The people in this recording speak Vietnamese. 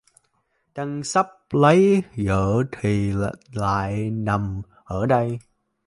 Đang sắp lấy vợ thì lại nằm ở đây